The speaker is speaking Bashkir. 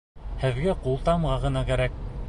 Һеҙгә ҡултамға ғына кәрәк.